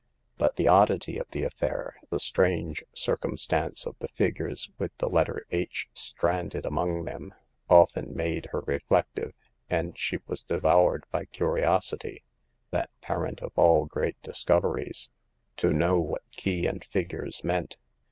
But the oddity of the affair, the strange circumstance of the figures with the letter " H " stranded among them, often made her reflective, and she was devoured by curi osity—that parent of all great discoveries — ^to The Fifth Customer. 13S know what key and figures meant.